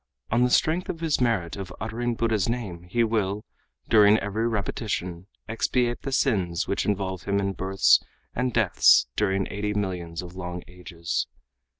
On the strength of (his merit of) uttering Buddha's name he will, during every repetition expiate the sins which involve him in births and deaths during eighty millions of long ages.